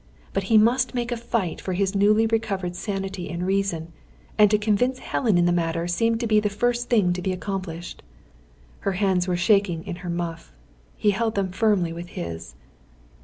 But he must make a fight for his newly recovered sanity and reason, and to convince Helen in the matter seemed the first thing to be accomplished. Her hands were shaking in her muff. He held them firmly with his.